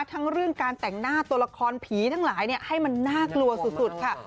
ทั้งเรื่องการแต่งหน้าตัวละครผีทั้งหลายให้มันน่ากลัวสุดค่ะ